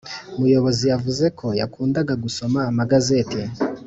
muyobozi yavuze ko yakundaga gusoma amagazeti